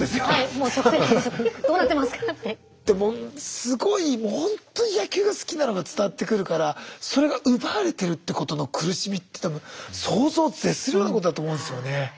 すごいもうほんとに野球が好きなのが伝わってくるからそれが奪われてるってことの苦しみって多分想像を絶するようなことだと思うんですよね。